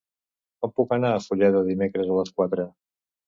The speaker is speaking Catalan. Com puc anar a Fulleda dimecres a les quatre?